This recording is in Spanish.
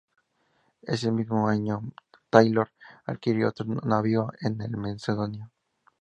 Ese mismo año Taylor adquirió otro navío, el "Mendocino".